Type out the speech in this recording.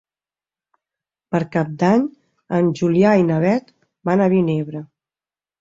Per Cap d'Any en Julià i na Beth van a Vinebre.